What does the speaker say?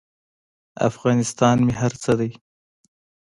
افغانستان مې هر څه دی.